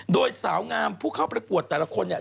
โดยสาวงามผู้เข้าประกวดแต่ละคนเนี่ย